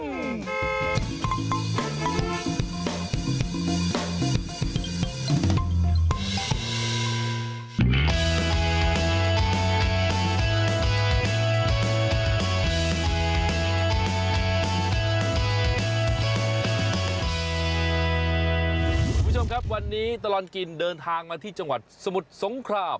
คุณผู้ชมครับวันนี้ตลอดกินเดินทางมาที่จังหวัดสมุทรสงคราม